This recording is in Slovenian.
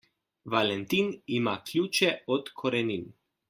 Valentin ima ključe od korenin.